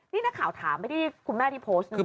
นี่นักข่าวถามไว้ที่คุณแม่ที่โพสต์นึง